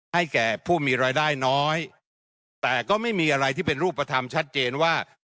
ให้แก่ผู้มีรายได้น้อยนะครับแต่ก็ไม่มีอะไรที่เป็นรูปธรรมชัดเจนว่า